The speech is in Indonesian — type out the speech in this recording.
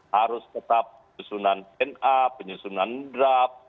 harus tetap penyusunan stand up penyusunan draft